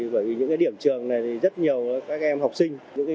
bởi vì những điểm trường này thì rất nhiều các em học sinh